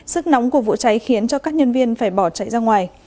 sức nóng của vụ cháy khiến cho các nhân viên phải bỏ chạy ra ngoài